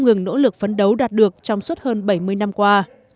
ngừng nỗ lực phấn đấu đạt được trong suốt hơn bảy mươi năm qua